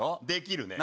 できるね。